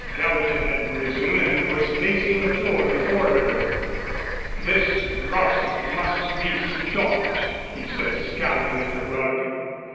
Gallatin had risen and was pacing the floor before her. "This gossip must be stopped," he said scowling at the rug.